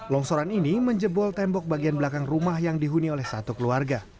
longsoran ini menjebol tembok bagian belakang rumah yang dihuni oleh satu keluarga